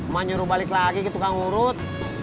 mak nyuruh balik lagi gitu kak ngurut